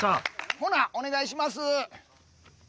ほなお願いします。